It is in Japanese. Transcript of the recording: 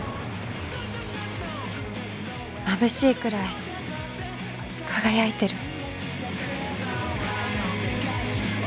まぶしいくらい輝いてる